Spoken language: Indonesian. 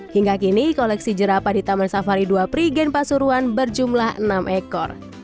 hingga kini koleksi jerapah di taman safari dua prigen pasuruan berjumlah enam ekor